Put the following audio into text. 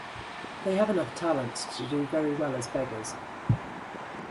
They have enough talent to do very well as beggars.